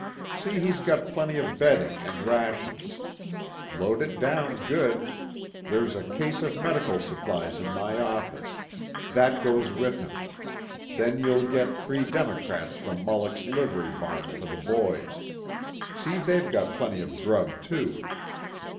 See he's got plenty of bedding and rations. Load it down good. There's a case of medical supplies in my office. That goes with him. Then you'll get three 'democrats' from Mulloc's livery barn for the boys. See they've got plenty of grub too."